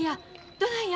どないや？